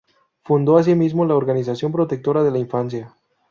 Fundó asimismo la organización "Protectora de la Infancia".